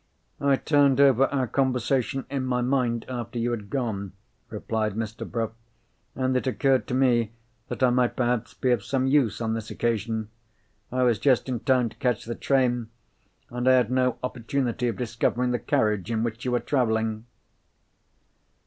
"I turned over our conversation in my mind, after you had gone," replied Mr. Bruff. "And it occurred to me that I might perhaps be of some use on this occasion. I was just in time to catch the train, and I had no opportunity of discovering the carriage in which you were travelling."